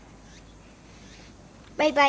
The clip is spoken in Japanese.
バイバイ。